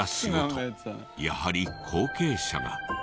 やはり後継者が。